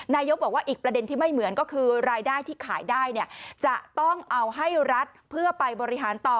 นายกบอกว่าอีกประเด็นที่ไม่เหมือนก็คือรายได้ที่ขายได้เนี่ยจะต้องเอาให้รัฐเพื่อไปบริหารต่อ